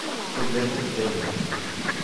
Sözlerime gücenmeyin!